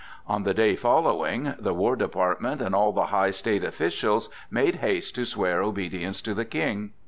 On the day following, the war department and all the high state officials made haste to swear obedience to the King.